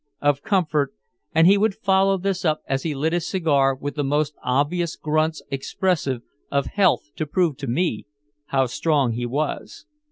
of comfort, and he would follow this up as he lit his cigar with the most obvious grunts expressive of health to prove to me how strong he was.